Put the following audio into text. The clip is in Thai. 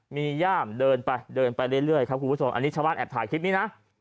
มีย่ามเดินไปเดินไปเรื่อยครับคุณผู้ชมอันนี้ชาวบ้านแอบถ่ายคลิปนี้นะ